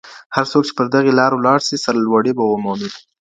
هر څوک چي پر دغي لارې ولاړ سي سرلوړي به ومومي.